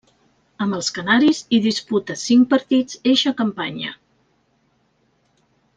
Amb els canaris hi disputa cinc partits eixa campanya.